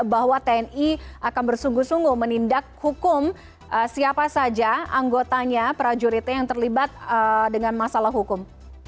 bahwa tni akan bersungguh sungguh menindak hukum siapa saja anggotanya prajuritnya yang terlibat dengan masalah hukum